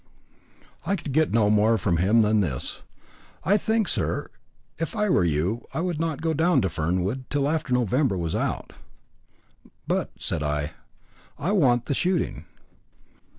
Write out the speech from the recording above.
I could get no more from him than this. "I think, sir, if I were you I would not go down to Fernwood till after November was out." "But," said I, "I want the shooting."